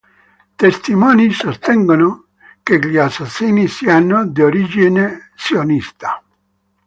Testimoni sostengono che gli assassini siano di origine araba.